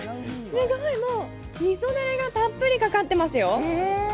すごい、もうみそだれがたっぷりかかっていますよ。